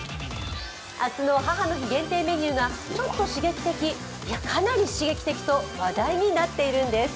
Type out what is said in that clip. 明日の母の日限定メニューがちょっと刺激的いや、かなり刺激的と話題になっているんです。